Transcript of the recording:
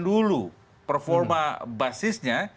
dulu performa basisnya